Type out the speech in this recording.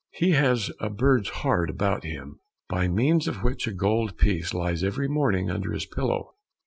He has a bird's heart about him, by means of which a gold piece lies every morning under his pillow."